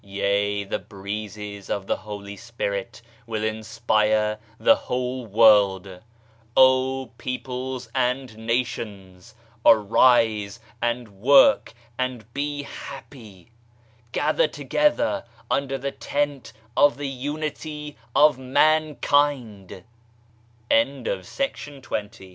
Yea, the Breezes of the Holy Spirit will inspire the whole world I Oh peoples and nations ! Arise and work and be happy I Gather together under the tent of the Unitv of